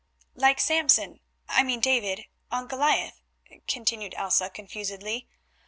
"Like Samson—I mean David—on Goliath," continued Elsa confusedly.